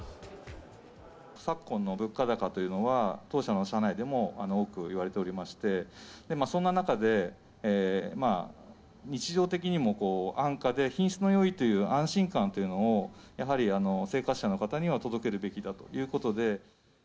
昨今の物価高というのは、当社の社内でも多く言われておりまして、そんな中で、まあ、日常的にも安価で品質のよいという安心感というのをやはり生活者の方には届けるべきだということで。